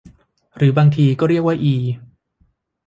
หรือบางทีก็เรียกว่าอี